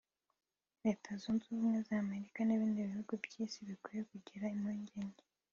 Leta Zunze Ubumwe za Amerika n’ibindi bihugu by’Isi bikwiye kugira impungenge